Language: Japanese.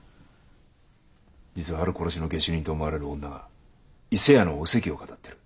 実はある殺しの下手人と思われる女が伊勢屋のおせきを騙っている。